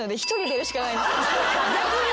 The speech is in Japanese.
逆に？